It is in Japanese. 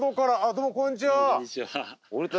どうもこんにちは。